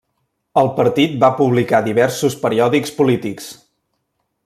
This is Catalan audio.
El partit va publicar diversos periòdics polítics.